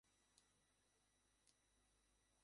চীন জাপানে ঠান্ডা পাহাড়ের পার্শ্বে বসন্তের শেষ দিকে ফুটে।